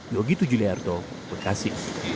yogi tujuliarto berkasi